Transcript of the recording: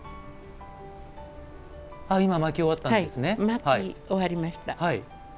巻き終わりました。